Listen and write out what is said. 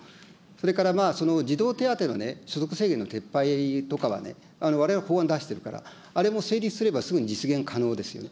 それから児童手当の所得制限の撤廃とかはね、われわれが法案出してるから、あれも成立すればすぐに実現可能ですよね。